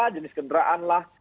jenis kendaraan lah